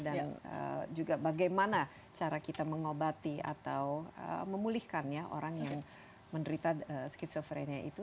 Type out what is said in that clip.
dan juga bagaimana cara kita mengobati atau memulihkan ya orang yang menderita schizophrenia itu